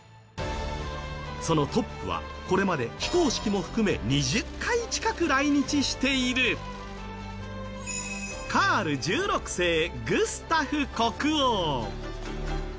そのトップはこれまで非公式も含め２０回近く来日しているカール１６世グスタフ国王。